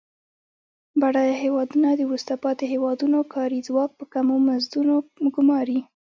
بډایه هیوادونه د وروسته پاتې هېوادونو کاري ځواک په کمو مزدونو ګوماري.